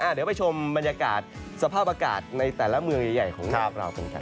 เดี๋ยวไปชมบรรยากาศสภาพอากาศในแต่ละเมืองใหญ่ของโลกเรากันครับ